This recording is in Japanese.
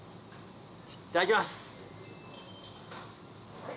いただきます！